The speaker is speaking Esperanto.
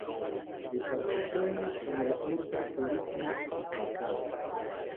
Li partoprenis en la urba turisma movado.